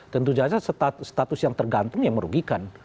tentu saja status yang tergantung ya merugikan